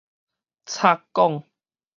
插管